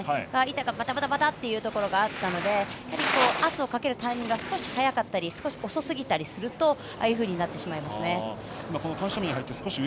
板がバタバタというところがあったので圧をかけるタイミングが少し早かったり遅すぎたりするとあのようになってしまいます。